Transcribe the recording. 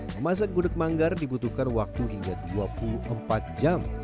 memasak gudeg manggar dibutuhkan waktu hingga dua puluh empat jam